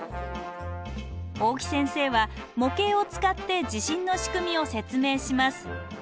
大木先生は模型を使って地震の仕組みを説明します。